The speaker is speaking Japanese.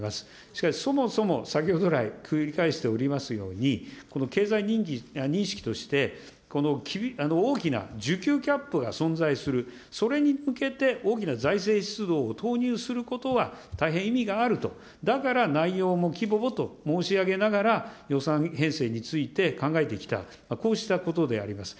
しかし、そもそも、先ほど来、繰り返しておりますように、この経済認識として、この大きな需給ギャップが存在する、それに向けて大きな財政出動を投入することは大変意味があると、だから内容も規模もと申し上げながら、予算編成について考えていきながら、こうしたことであります。